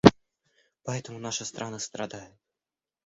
Поэтому наши страны страдают.